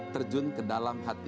terjun ke dalam hati